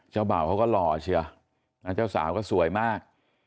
บ่าวเขาก็หล่อเชียวเจ้าสาวก็สวยมาก